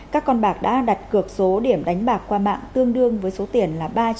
các con bạc đã đặt cược số điểm đánh bạc qua mạng tương đương với số tiền là ba trăm năm mươi tỷ đồng